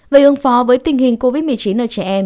về ương phó với tình hình covid một mươi chín